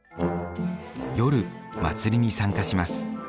夜祭りに参加します。